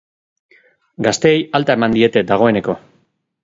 Gazteei alta eman diete, dagoeneko.